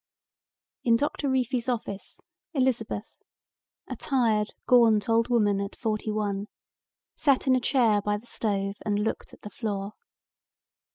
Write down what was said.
In Doctor Reefy's office, Elizabeth, a tired gaunt old woman at forty one, sat in a chair near the stove and looked at the floor.